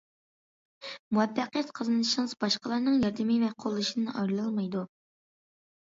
مۇۋەپپەقىيەت قازىنىشىڭىز باشقىلارنىڭ ياردىمى ۋە قوللىشىدىن ئايرىلالمايدۇ.